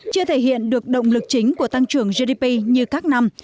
chưa thể hiện được động lực chính của tăng trưởng gdp như các năm